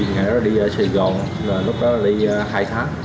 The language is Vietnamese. ngày đó đi ở sài gòn lúc đó đi hai tháng